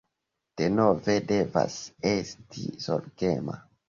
Denove, devas esti zorgema